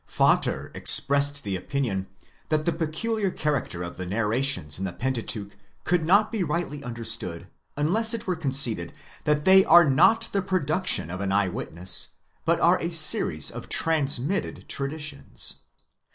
Vater® expressed the opinion that the peculiar character of the narrations in the Pentateuch could not be rightly understood, unless it were conceded that they are not the production of an eye witness, but are a series of transmitted traditions.